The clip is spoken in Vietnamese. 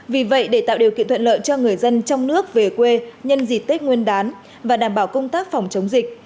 vì vậy để tạo điều kiện thuận lợi cho người dân trong nước về quê nhân dịp tết nguyên đán và đảm bảo công tác phòng chống dịch